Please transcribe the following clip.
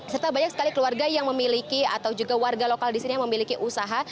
serta banyak sekali keluarga yang memiliki atau juga warga lokal di sini yang memiliki usaha